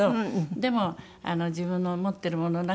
でも自分の持ってるものの中で。